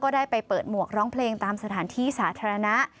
ได้ไปเปิดหมวกร้องเพลงตามสถานที่สาธารณะ